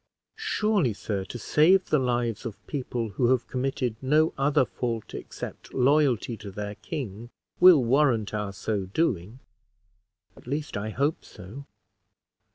"Surely, sir, to save the lives of people who have committed no other fault except loyalty to their king, will warrant our so doing at least, I hope so."